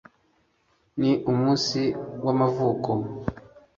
ni umunsi w'amavuko